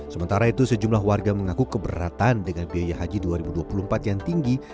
sementara itu sejumlah warga mengaku keberatan dengan biaya haji dua ribu dua puluh empat yang tinggi